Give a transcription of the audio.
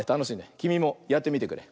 きみもやってみてくれ！